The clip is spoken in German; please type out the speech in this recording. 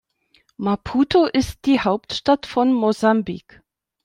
Maputo ist die Hauptstadt von Mosambik.